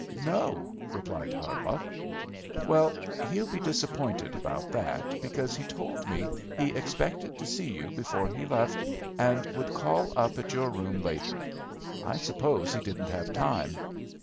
"No," replied Hardlock. "Well, he'll be disappointed about that, because he told me he expected to see you before he left, and would call up at your room later. I suppose he didn't have time.